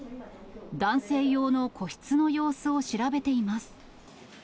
男性用の個室の様子を調べています。